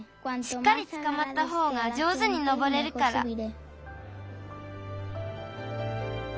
しっかりつかまったほうが上手にのぼれるから。